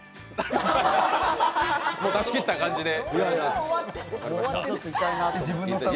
もう出し切った感じで？